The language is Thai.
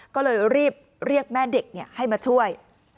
ก็เลยรีบเรียกแม่เด็กให้มาช่วย